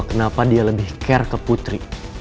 kenapa dia lebih care ke putri